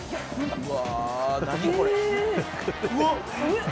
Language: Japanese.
「うわ！」